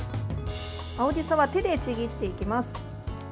青じそは手でちぎっていきます。